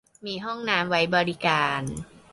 มีห้องน้ำไว้บริการ